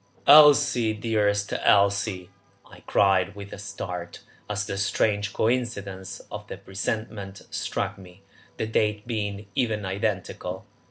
"Elsie, dearest Elsie!" I cried with a start, as the strange coincidence of the presentment struck me, the date being even identical.